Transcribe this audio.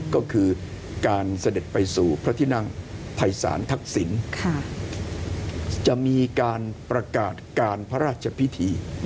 ก็คือการเสด็จไปสู่พระที่นั่งภัยศาลทักษิณจะมีการประกาศการพระราชพิธี